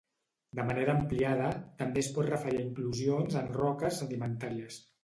De manera ampliada, també es pot referir a inclusions en roques sedimentàries.